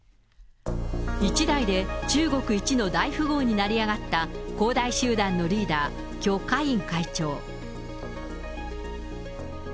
一代で中国一の大富豪になりあがった、恒大集団のリーダー、許家印会長。